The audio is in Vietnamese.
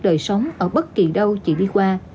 đời sống ở bất kỳ đâu chị đi qua